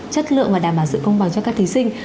chất lượng và đảm bảo sự công bằng cho các thí sinh